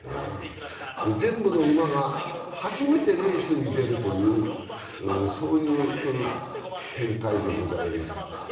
全部の馬が初めてレースに出るという展開でございます。